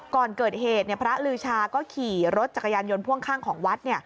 ก่อนเกิดเหตุพระลือชาก็ขี่รถจักรยานยนต์พ่วงข้างของวัด